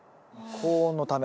高温のため。